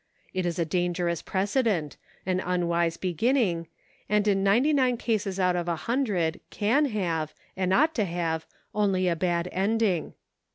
It is a dangerous precedent ; an unwise beginning, and in ninety nine cases out of a hun dred can have, and ought to have, only a bad ending.